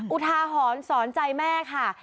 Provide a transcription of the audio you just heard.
อุทาหรณ์สอนใจแม่ค่ะ